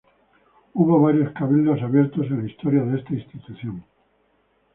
Hubo varios Cabildos Abiertos en la historia de esta institución.